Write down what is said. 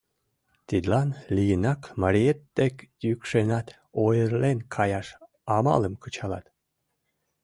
— Тидлан лийынак мариет дек йӱкшенат, ойырлен каяш амалым кычалат.